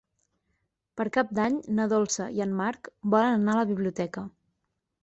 Per Cap d'Any na Dolça i en Marc volen anar a la biblioteca.